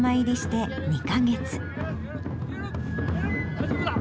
大丈夫だ！